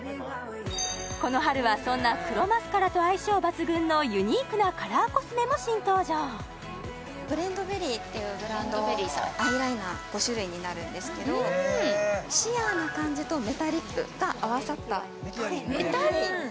この春はそんな黒マスカラと相性抜群のユニークなカラーコスメも新登場ブレンドベリーっていうブランドアイライナー５種類になるんですけどシアーな感じとメタリックが合わさったメタリック？